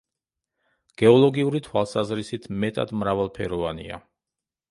გეოლოგიური თვალსაზრისით მეტად მრავალფეროვანია.